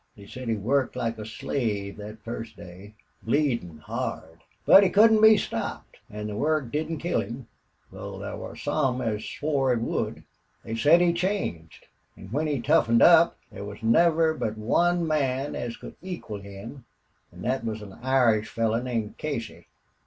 They said he worked like a slave the first day, bleedin' hard. But he couldn't be stopped. An' the work didn't kill him, though thar was some as swore it would. They said he changed, an' when he toughened up thar was never but one man as could equal him, an' thet was an Irish feller named Casey.